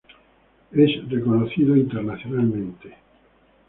Es reconocido internacionalmente.